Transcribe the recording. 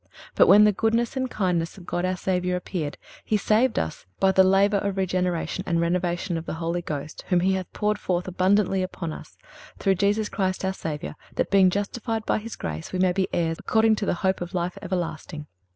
But when the goodness and kindness of God our Savior appeared, ... He saved us by the laver of regeneration and renovation of the Holy Ghost, whom He hath poured forth abundantly upon us, through Jesus Christ our Savior, that being justified by His grace, we may be heirs, according to the hope of life everlasting."